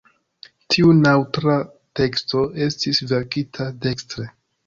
Tiu naŭatla teksto estis verkita dekstre.